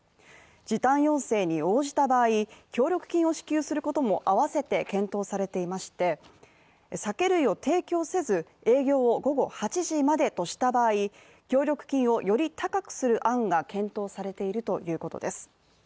時短要請に応じた場合、協力金を支給することも併せて検討されていまして、酒類を提供せず、営業を午後８時までとした場合協力金をより高くする案が検討されているということです。